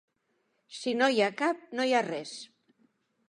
Si no hi ha cap, no hi ha res.